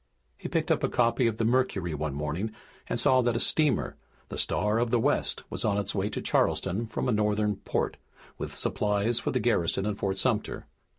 He picked up a copy of the Mercury one morning and saw that a steamer, the Star of the West, was on its way to Charleston from a northern port with supplies for the garrison in Fort Sumter.